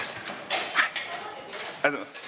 ありがとうございます。